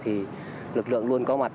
thì lực lượng luôn có mặt